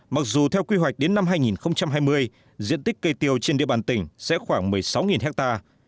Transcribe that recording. mặc dù theo quy hoạch đến năm hai nghìn hai mươi diện tích cây tiêu trên địa bàn tỉnh sẽ khoảng một mươi sáu hectare